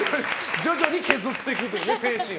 徐々に削っていくと、精神を。